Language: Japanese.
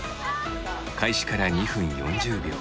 開始から２分４０秒。